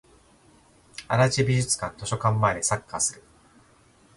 足立美術館図書館前でサッカーする